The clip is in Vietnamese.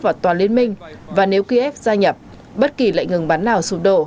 vào toàn liên minh và nếu kiev gia nhập bất kỳ lệnh ngừng bắn nào xụp đổ